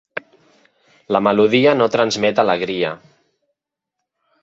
La melodia no transmet alegria.